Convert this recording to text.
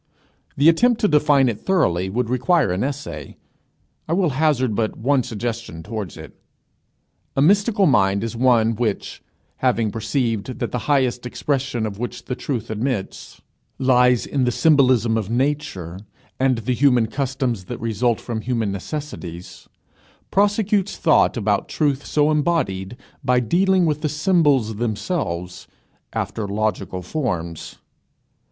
The attempt to define it thoroughly would require an essay. I will hazard but one suggestion towards it: A mystical mind is one which, having perceived that the highest expression of which the truth admits, lies in the symbolism of nature and the human customs that result from human necessities, prosecutes thought about truth so embodied by dealing with the symbols themselves after logical forms.